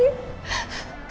kamu kan lagi